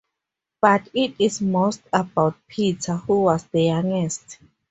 But it is most about Peter who was the youngest.